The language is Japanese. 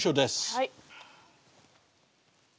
はい。